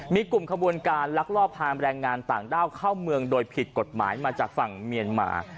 มีกลุ่มขบวนการลักลอบพาแรงงานต่างด้าวเข้าเมืองโดยผิดกฎหมายมาจากฝั่งเมียนมา